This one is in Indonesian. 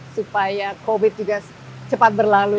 supaya covid juga cepat berlalu